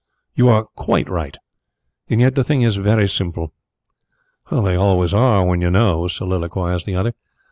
"You are quite right. And yet the thing is very simple." "They always are when you know," soliloquised the other.